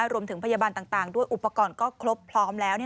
โรงพยาบาลต่างด้วยอุปกรณ์ก็ครบพร้อมแล้ว